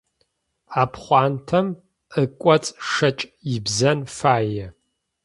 Ӏэпхъуантэм ыкӏоцӏ шэкӏ ибзэн фае.